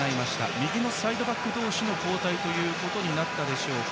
右のサイドバック同士の交代となったでしょうか。